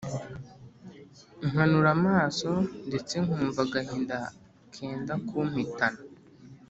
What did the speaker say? nkanura amaso ndetse nkumva agahinda kenda kumpitana!